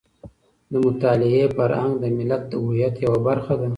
د مطالعې فرهنګ د ملت د هویت یوه برخه ده.